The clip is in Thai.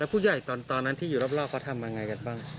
ผู้ใหญ่ตอนนั้นที่อยู่รอบเขาทำยังไงกันบ้าง